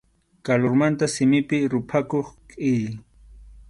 Kalurmanta simipi ruphakuq kʼiri.